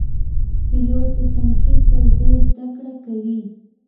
پیلوټ د تنقید پر ځای زده کړه کوي.